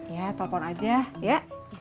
ya telfon aja ya